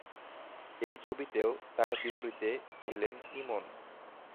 এই ছবিতেও তার বিপরীতে ছিলেন ইমন।